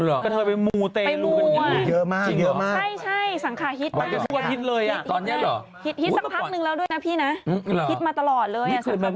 เลยอ่ะหนึ่งรอด้วยนะพี่นะอีกมาตลอดเลย